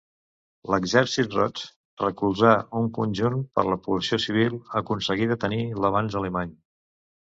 L'Exèrcit Roig, recolzar en conjunt per la població civil, aconseguí detenir l'avanç alemany.